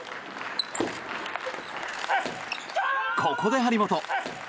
ここで張本！